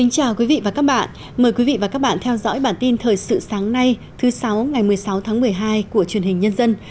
chào mừng quý vị đến với bản tin thời sự sáng nay thứ sáu ngày một mươi sáu tháng một mươi hai của truyền hình nhân dân